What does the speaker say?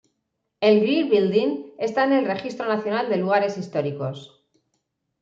El Greer Building está en el Registro Nacional de Lugares Históricos.